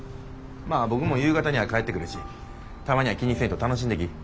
まあ僕も夕方には帰ってくるしたまには気にせんと楽しんできい。